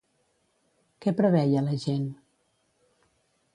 Què preveia la gent?